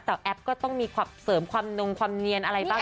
แต่แอปก็ต้องมีความเสริมความนงความเนียนอะไรบ้าง